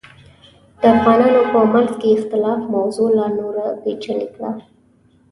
د افغانانو په منځ کې اختلاف موضوع لا نوره پیچلې کړه.